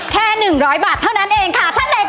แค่หนึ่งร้อยบาทเท่านั้นเองค่ะถ้าไหนกดเลยค่ะ